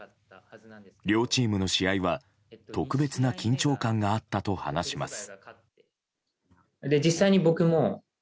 両チームの試合は特別な緊張感があったと話します。